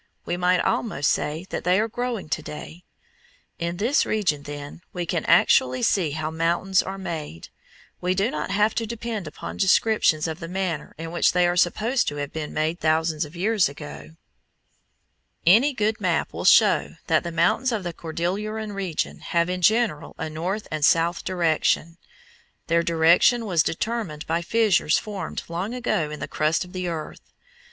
We might almost say that they are growing to day. In this region, then, we can actually see how mountains are made; we do not have to depend upon descriptions of the manner in which they are supposed to have been made thousands of years ago. [Illustration: FIG. 22. BLUFF FORMED BY AN EARTHQUAKE At the foot of the Wasatch Range, Utah] Any good map will show that the mountains of the Cordilleran region have in general a north and south direction. Their direction was determined by fissures formed long ago in the crust of the earth.